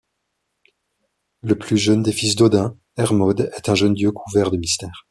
Le plus jeune des fils d'Odin, Hermod est un jeune dieu couvert de mystères.